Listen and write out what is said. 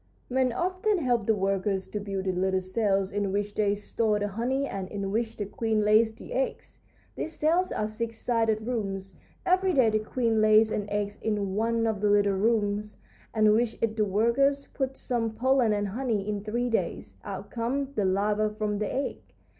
"Men often help the workers to build the little cells in which they store the honey and in which the queen lays the eggs. These cells are six sided rooms. Every day the queen lays an egg in one of the little rooms, and with it the workers put some pollen and honey. In three days out comes the larva from the egg.